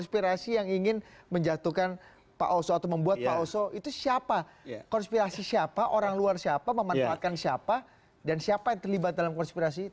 jangan lupa untuk berlangganan